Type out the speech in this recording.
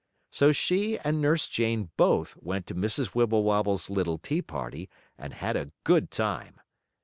So she and Nurse Jane both went to Mrs. Wibblewobble's little tea party, and had a good time.